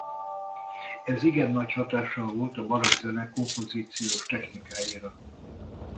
Ez igen nagy hatással volt a barokk zene kompozíciós technikáira.